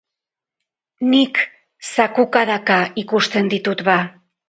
Nik zakukadaka ikusten ditut ba!